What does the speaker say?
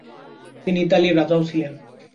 তিনি ইতালির রাজাও ছিলেন।